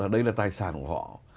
đây là tài sản của họ